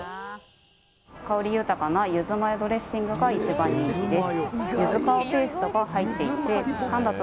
香り豊かなゆずマヨドレッシングが一番人気です。